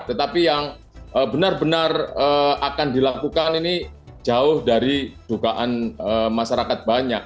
tetapi yang benar benar akan dilakukan ini jauh dari dugaan masyarakat banyak